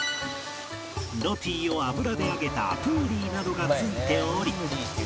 ロティを油で揚げたプーリーなどがついており